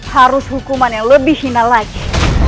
harus hukuman yang lebih hina lagi